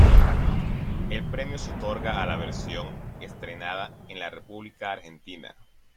El premio se otorga a la versión estrenada en la República Argentina.